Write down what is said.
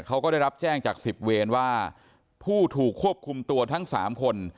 เขาก็ได้รับแจ้งจากสิบเวรว่าผู้ถูกควบคุมตัวทั้ง๓คน